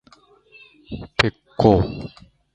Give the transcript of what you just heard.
べっ甲